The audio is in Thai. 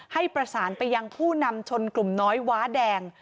ให้ประสานไปยังผู้นำชนกลุ่มน้อยว้าแดง